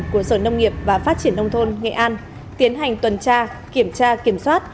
của sở nông nghiệp và phát triển nông thôn nghệ an tiến hành tuần tra kiểm tra kiểm soát